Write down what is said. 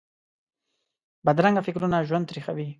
بدرنګه فکرونه ژوند تریخوي